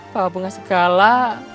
bawa bunga segala